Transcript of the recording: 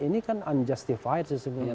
ini kan unjustified sesungguhnya